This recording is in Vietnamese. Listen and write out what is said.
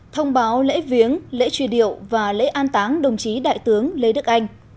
thông báo lễ viếng lễ truy điệu và lễ an táng đồng chí đại tướng lê đức anh